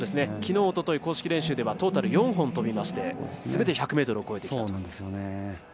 きのう、おととい公式練習ではトータル４本飛んですべて１００ｍを超えてきたと。